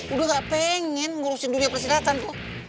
udah gak pengen ngurusin dunia persidatan boy